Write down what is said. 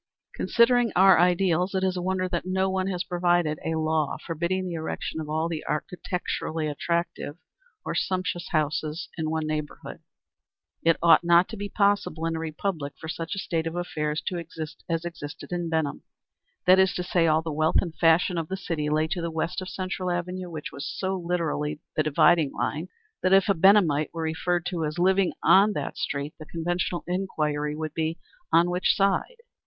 Considering our ideals, it is a wonder that no one has provided a law forbidding the erection of all the architecturally attractive, or sumptuous houses in one neighborhood. It ought not to be possible in a republic for such a state of affairs to exist as existed in Benham. That is to say all the wealth and fashion of the city lay to the west of Central Avenue, which was so literally the dividing line that if a Benhamite were referred to as living on that street the conventional inquiry would be "On which side?"